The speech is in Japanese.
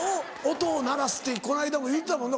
音を鳴らすってこの間も言うてたもんな